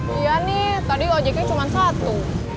iya nih tadi ojk cuman satu